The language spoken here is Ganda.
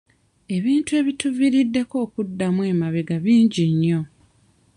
Ebintu ebituviiriddeko okuddamu emabega bingi nnyo.